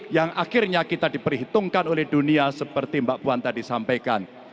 yang akhirnya kita diperhitungkan oleh dunia seperti mbak puan tadi sampaikan